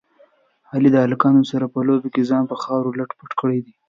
علي د هلکانو سره په لوبو کې ځان په خاورو لت پت کړی دی.